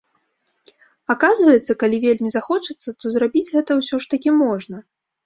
Аказваецца, калі вельмі захочацца, то зрабіць гэта ўсё ж такі можна.